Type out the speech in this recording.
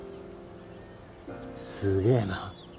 すげえな。